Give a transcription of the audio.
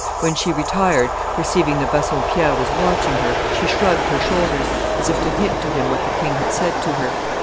When she retired, perceiving that Bassompierre was watching her, she shrugged her shoulders, as if to hint to him what the king had said to her.